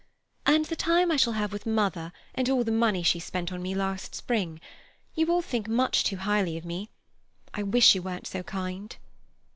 And the time I shall have with mother, and all the money she spent on me last spring. You all think much too highly of me. I wish you weren't so kind."